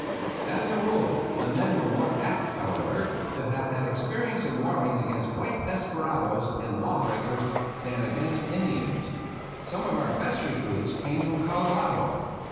As a rule, the men were more apt, however, to have had experience in warring against white desperadoes and law breakers than against Indians. Some of our best recruits came from Colorado.